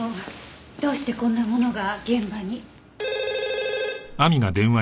でもどうしてこんなものが現場に？